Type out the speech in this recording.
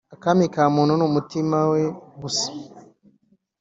akami kamuntu n’umutima we gusa